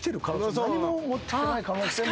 何も持ってきてない可能性も。